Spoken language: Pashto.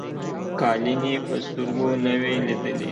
قالیني په سترګو نه وې لیدلي.